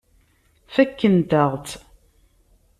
Fakkent-aɣ-tt.